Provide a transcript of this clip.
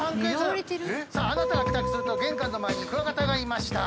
あなたが帰宅すると玄関の前にクワガタがいました。